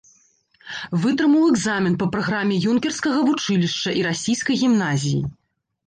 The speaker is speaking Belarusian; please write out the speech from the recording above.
Вытрымаў экзамен па праграме юнкерскага вучылішча і расійскай гімназіі.